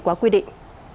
qua quy định